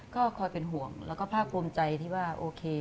ก็คอยเป็นห่วงแล้วก็ภาคภูมิใจที่ว่าโอเค